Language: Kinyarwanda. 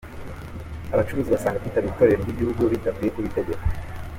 Abacuruzi basanga kwitabira Itorero ry’Igihugu bidakwiye kuba itegeko